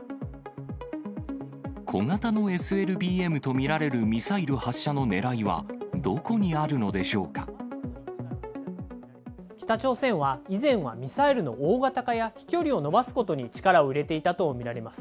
小型のＳＬＢＭと見られるミサイル発射のねらいはどこにあるので北朝鮮は、以前はミサイルの大型化や飛距離を伸ばすことに力を入れていたと見られます。